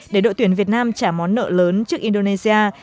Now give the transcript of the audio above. để đội tuyển việt nam trả món nợ lớn trước indonesia